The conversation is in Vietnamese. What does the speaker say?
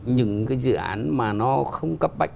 những cái dự án mà nó không cấp bạch